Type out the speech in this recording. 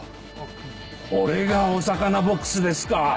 これがお魚ボックスですか。